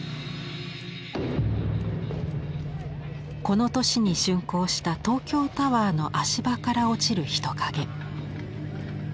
この年に竣工した東京タワーの足場から落ちる人影。